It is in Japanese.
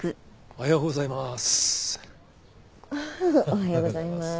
おはようございます。